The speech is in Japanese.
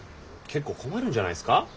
結構困るんじゃないですか？